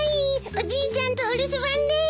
おじいちゃんとお留守番です。